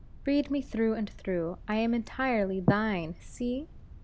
Read me through and through. I am entirely thine. See!"